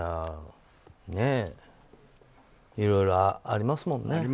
いろいろありますもんね。